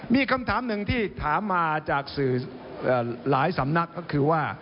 มีคำถามหนึ่งที่ถามมาจากสื่อหลายสำนักก็คือว่า